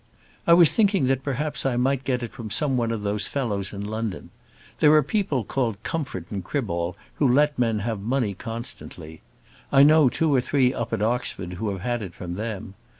I was thinking that perhaps I might get it from some of those fellows in London. There are people called Comfort and Criball, who let men have money constantly. I know two or three up at Oxford who have had it from them.